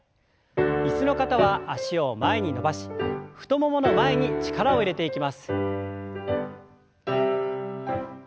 椅子の方は脚を前に伸ばし太ももの前に力を入れていきます。